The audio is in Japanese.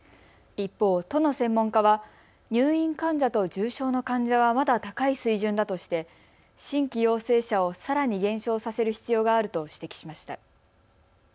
一方、都の専門家は入院患者と重症の患者はまだ高い水準だとして新規陽性者をさらに減少させる必要があると指摘しました。